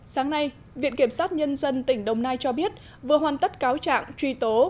sáng nay viện kiểm sát nhân dân tỉnh đồng nai cho biết vừa hoàn tất cáo trạng truy tố